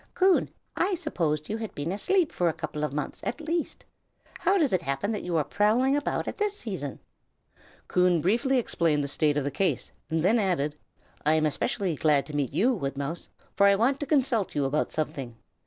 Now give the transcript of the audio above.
"Coon, I supposed you had been asleep for a couple of months, at least. How does it happen that you are prowling about at this season?" Coon briefly explained the state of the case, and then added: "I am specially glad to meet you, Woodmouse, for I want to consult you about something.